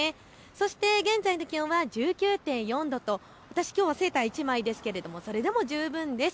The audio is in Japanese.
そして現在の気温は１９．４度と、私きょうはセーター１枚ですがそれでも十分です。